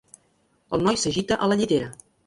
El noi s'agita a la llitera.